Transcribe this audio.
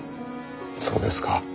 そうですか。